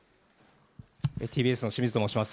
ＴＢＳのしみずと申します。